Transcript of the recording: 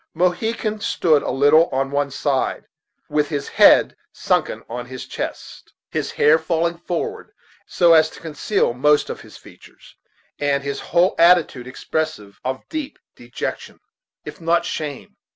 Mohegan stood a little on one side, with his head sunken on his chest, his hair falling forward so as to conceal most of his features, and his whole attitude expressive of deep dejection, if not of shame.